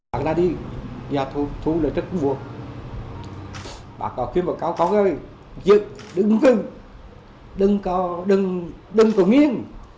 bác ra đi nhà thu lời chất của vua bác kêu kêu bà cao con ơi đừng có nghiêng